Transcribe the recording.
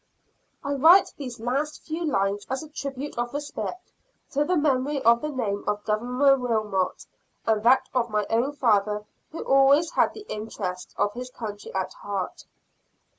I write these last few lines as a tribute of respect to the memory of the name of Governor Wilmot, and that of my own father, who always had the interests of his country at heart.